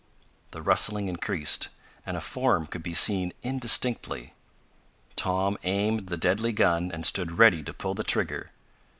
The rustling increased, and a form could be seen indistinctly. Tom aimed the deadly gun and stood ready to pull the trigger.